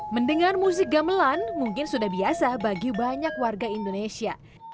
mendengar musik gamelan mungkin sudah biasa bagi banyak warga indonesia